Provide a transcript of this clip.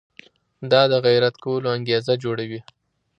دا د غیرت کولو انګېزه جوړوي.